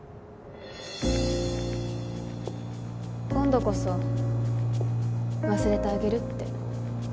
今度こそ忘れてあげるって。